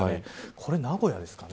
これ名古屋ですかね。